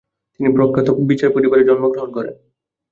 তিনি প্রখ্যাত বিচার পরিবারে জন্মগ্রহণ করেন।